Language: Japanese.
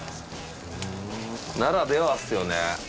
ならではっすよね